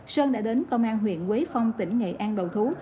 sơn đã đến công an huyện quế phong tỉnh nghệ an đầu thú